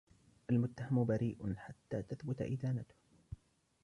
المتهم بريء حتى تثبت إدانته.